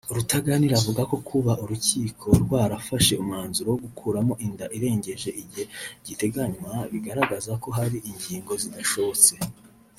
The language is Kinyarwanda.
Rutaganira avuga ko kuba urukiko rwrafashe umwanzuro wo gukuramo inda irengeje igihe giteganywa bigaragaza ko hari ingingo zidasobanutse